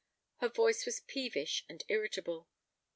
Her voice was peevish and irritable.